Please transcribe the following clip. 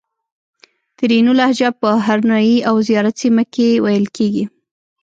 ترینو لهجه په هرنایي او زیارت سیمه کښې ویل کیږي